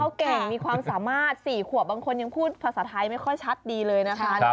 เขาเก่งมีความสามารถ๔ขวบบางคนยังพูดภาษาไทยไม่ค่อยชัดดีเลยนะคะ